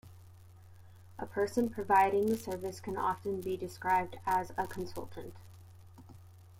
A person providing the service can often be described as a consultant.